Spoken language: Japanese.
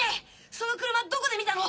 その車どこで見たの？